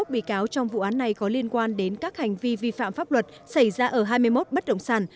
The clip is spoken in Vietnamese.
hai mươi một bị cáo trong vụ án này có liên quan đến các hành vi vi phạm pháp luật xảy ra ở hai mươi một bất động sản